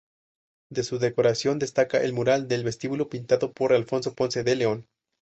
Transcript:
De su decoración destaca el mural del vestíbulo pintado por Alfonso Ponce de León.